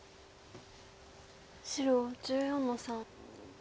白１４の三。